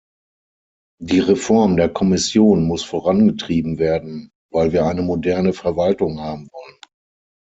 Die Reform der Kommission muss vorangetrieben werden, weil wir eine moderne Verwaltung haben wollen.